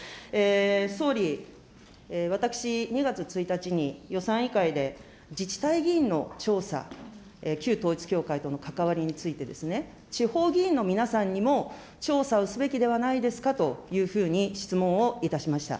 総理、私、２月１日に予算委員会で、自治体議員の調査、旧統一教会との関わりについてですね、地方議員の皆さんにも、調査をすべきではないですかというふうに質問をいたしました。